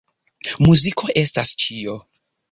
Muziko estas ĉio.